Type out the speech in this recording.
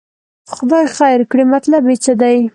خدای خیر کړي، مطلب یې څه دی.